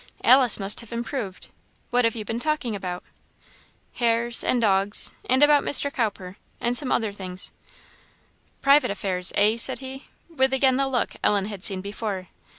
Alice must have improved. What have you been talking about?" "Hares and dogs and about Mr. Cowper and some other things." "Private affairs, eh?" said he, with again the look Ellen had seen before.